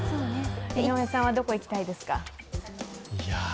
井上さんは、どこ行きたいですか？